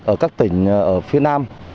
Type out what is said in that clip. ở các tỉnh phía nam